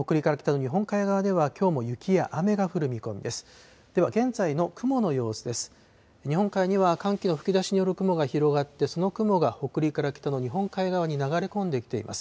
日本海には寒気の吹き出しによる雲が広がって、その雲が北陸から北の日本海側に流れ込んできています。